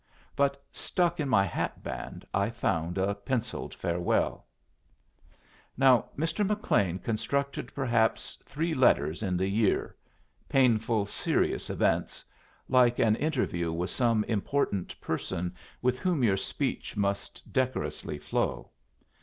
But stuck in my hat band I found a pencilled farewell. Now Mr. McLean constructed perhaps three letters in the year painful, serious events like an interview with some important person with whom your speech must decorously flow.